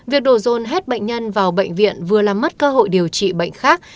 việc đổ dồn hết bệnh nhân vào bệnh viện vừa làm mất cơ hội điều trị bệnh khác